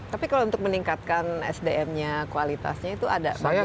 tapi kalau untuk meningkatkan sdm nya kualitasnya itu ada bagaimana